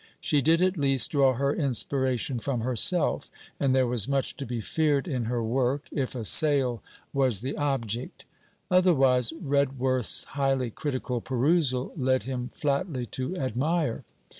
She did at least draw her inspiration from herself, and there was much to be feared in her work, if a sale was the object. Otherwise Redworth's highly critical perusal led him flatly to admire.